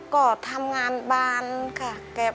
ก็ทำงานบานค่ะ